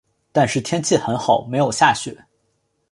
但是天气很好没有下雪